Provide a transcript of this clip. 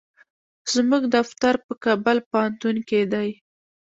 زموږ دفتر په کابل پوهنتون کې دی.